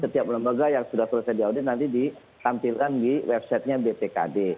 setiap lembaga yang sudah selesai diaudit nanti ditampilkan di websitenya bpkd